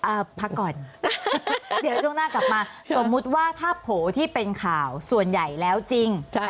พักก่อนเดี๋ยวช่วงหน้ากลับมาสมมุติว่าถ้าโผล่ที่เป็นข่าวส่วนใหญ่แล้วจริงใช่